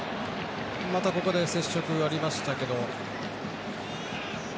また、ここで接触がありましたけど。